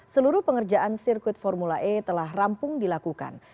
seluruh pengerjaan sirkuit formula e telah rampung dilakukan